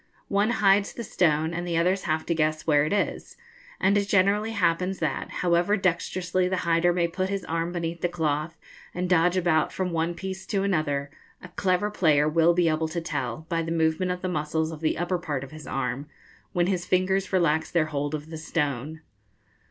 One hides the stone, and the others have to guess where it is; and it generally happens that, however dexterously the hider may put his arm beneath the cloth, and dodge about from one piece to another, a clever player will be able to tell, by the movement of the muscles of the upper part of his arm, when his fingers relax their hold of the stone.